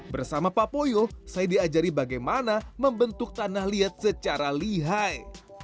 bersama pak poyo saya diajari bagaimana membentuk tanah liat secara lihai